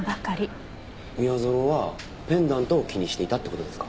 宮園はペンダントを気にしていたって事ですか？